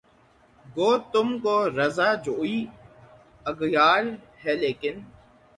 گو تم کو رضا جوئیِ اغیار ہے لیکن